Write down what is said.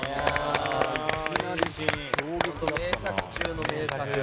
名作中の名作。